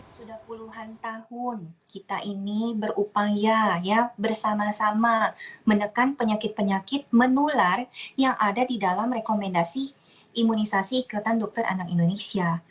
sudah puluhan tahun kita ini berupaya bersama sama menekan penyakit penyakit menular yang ada di dalam rekomendasi